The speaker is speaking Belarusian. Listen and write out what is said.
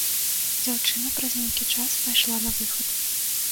Дзяўчына праз нейкі час пайшла на выхад.